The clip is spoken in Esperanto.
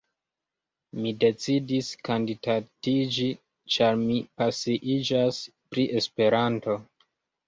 Mi decidis kandidatiĝi ĉar mi pasiiĝas pri Esperanto.